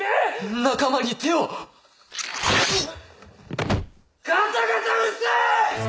仲間に手をガタガタうるせぇ‼